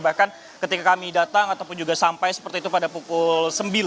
bahkan ketika kami datang ataupun juga sampai seperti itu pada pukul sembilan